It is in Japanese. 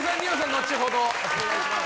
後ほどお願いします。